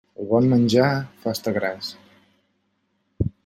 El bon menjar fa estar gras.